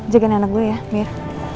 jagain anak gue ya mir